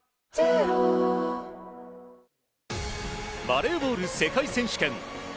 バレーボール世界選手権。